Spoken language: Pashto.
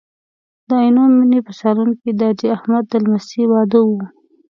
د عینومېنې په سالون کې د حاجي احمد د لمسۍ واده و.